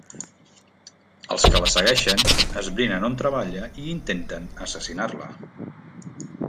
Els que la segueixen esbrinen on treballa i intenten assassinar-la.